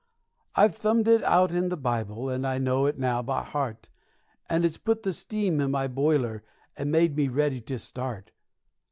I've thumbed it out in the Bible, and I know it now by heart, And it's put the steam in my boiler, and made me ready to start.